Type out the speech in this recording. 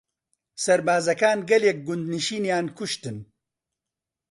سەربازەکان گەلێک گوندنشینیان کوشتن.